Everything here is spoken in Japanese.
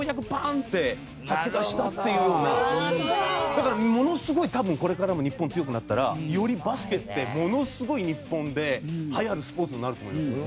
だからものすごい多分これからも日本強くなったらよりバスケってものすごい日本ではやるスポーツになると思いますよ。